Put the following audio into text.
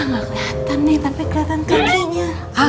gak keliatan nih tapi keliatan kakinya